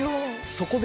そこでだ。